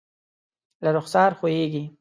له رخسار ښویېږي